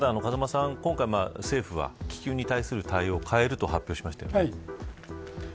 政府は気球に対する対応を変えると言っていましたよね。